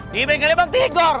di bengkelnya bang tigor